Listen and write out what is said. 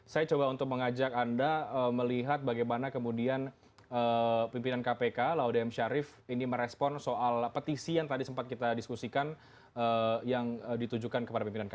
saya coba untuk mengajak anda melihat bagaimana kemudian pimpinan kpk laude m syarif ini merespon soal petisi yang tadi sempat kita diskusikan yang ditujukan kepada pimpinan kpk